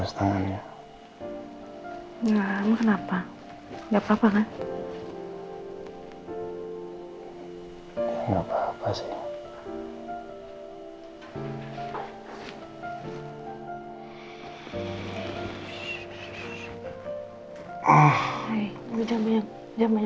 saya tuh nggak pernah pergi kemana mana